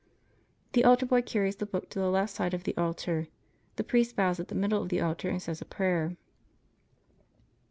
The altar boy carries the book to the left side of the altar. The priest bows at the middle of the altar and says a prayer.